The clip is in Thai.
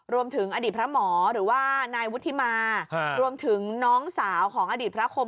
รวมถึงอดีตพระหมอหรือว่านายวุฒิมารวมถึงน้องสาวของอดีตพระคม